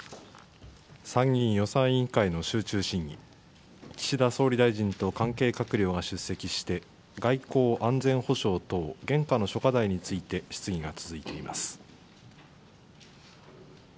参議院予算委員会の集中審議、岸田総理大臣と関係閣僚が出席して、外交・安全保障等現下の諸課題について質疑が続いています。